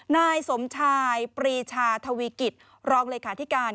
นายสมชายปรีชาทวีกิจรองเลขาธิการ